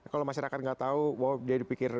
kalau masyarakat tidak tahu bahwa dia pikir